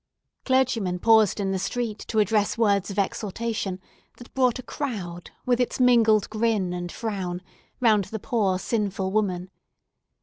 Clergymen paused in the streets, to address words of exhortation, that brought a crowd, with its mingled grin and frown, around the poor, sinful woman.